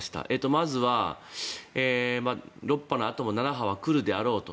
まずは６波のあとも７波は来るであろうと。